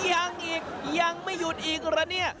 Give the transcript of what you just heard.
ยังอีกยังไม่หยุดอีกเหรอเนี่ย